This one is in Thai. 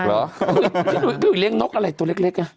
พี่อุ๋ยเรียงนกอะไรตัวเล็ก